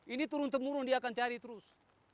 ini turun temurun dia akan cari terus